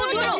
eh tapi aku